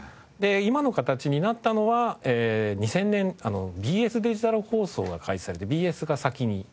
今の形になったのは２０００年ＢＳデジタル放送が開始されてＢＳが先に始まりました。